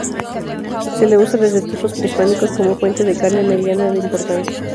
Se le usa desde tiempos prehispánicos como fuente de carne de mediana importancia.